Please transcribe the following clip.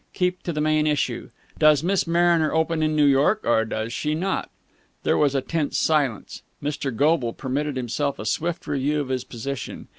Keep to the main issue. Does Miss Mariner open in New York or does she not?" There was a tense silence. Mr. Goble permitted himself a swift review of his position.